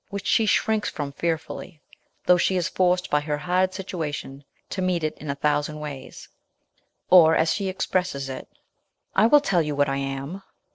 which she shrinks from fearfully, though she is forced by her hard situation to meet it in a thousand ways ; or as she expresses it, " I will tell you what I am, a